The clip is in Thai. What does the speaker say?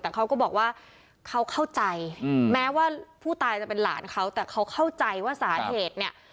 แต่เขาก็บอกว่าเขาเข้าใจแม้ว่าผู้ตายจะเป็นหลานเขาแต่เขาเข้าใจว่าสาเหตุเนี่ย